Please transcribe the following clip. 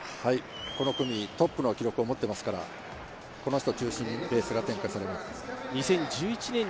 この組トップの記録を持ってますからこの人を中心にレースが展開されます。